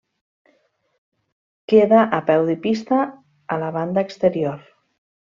Queda a peu de pista, a la banda exterior.